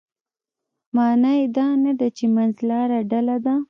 معنا یې دا نه ده چې منځلاره ډله ده.